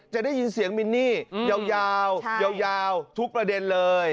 จะได้ยินเสียงมินนี่ยาวยาวทุกประเด็นเลย